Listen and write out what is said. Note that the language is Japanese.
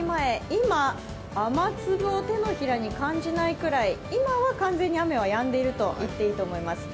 今、雨粒を手のひらに感じないくらい、今は完全に雨はやんでいると言っていいと思います。